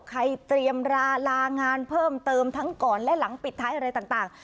เตรียมราลางานเพิ่มเติมทั้งก่อนและหลังปิดท้ายอะไรต่าง